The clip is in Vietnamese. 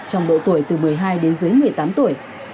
trong độ tuổi từ một mươi hai đến dưới một mươi tám tuổi